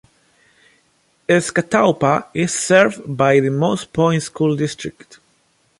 Escatawpa is served by the Moss Point School District.